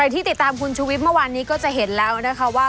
ที่ติดตามคุณชุวิตเมื่อวานนี้ก็จะเห็นแล้วนะคะว่า